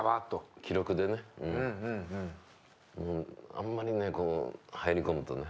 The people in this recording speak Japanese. あんまりね入り込むとね。